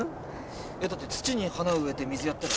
だって土に花植えて水やったら。